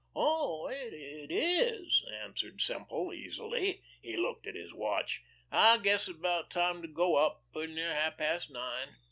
"Oh, it is," answered Semple easily. He looked at his watch. "I guess it's about time to go up, pretty near half past nine."